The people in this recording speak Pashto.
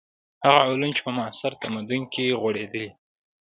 هغه علوم چې په معاصر تمدن کې غوړېدلي.